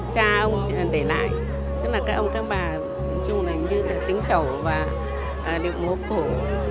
cha ông để lại tức là các ông các bà như là tính tẩu và điệu múa phổ